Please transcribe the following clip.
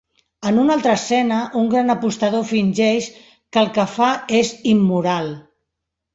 En una altra escena, un gran apostador fingeix que el que fa és immoral.